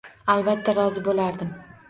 Albatta, rozi bo`lardim